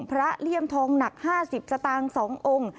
เลี่ยมทองหนัก๕๐สตางค์๒องค์